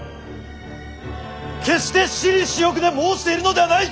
決して私利私欲で申しているのではない！